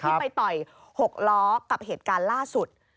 ไปต่อย๖ล้อกับเหตุการณ์ล่าสุด